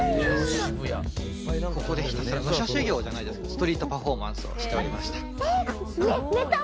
ここでひたすら武者修行じゃないですけどストリートパフォーマンスをしておりました。